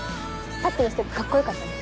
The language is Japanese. さっきのステップカッコよかったね。